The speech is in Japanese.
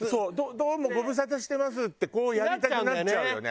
「どうもご無沙汰してます」ってこうやりたくなっちゃうよね。